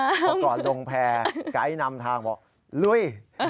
พอก่อนลงแพร่ไกด์นำทางบอกลุย